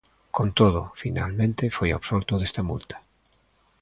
Con todo, finalmente foi absolto desta multa.